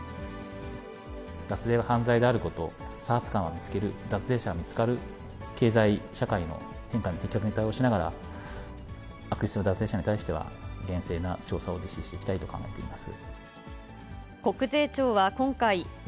脱税は犯罪であること、査察官は見つける、脱税者は見つかる、経済社会の変化に的確に対応しながら、悪質な脱税者に対しては、厳正な調査を実施していきたいと考えています。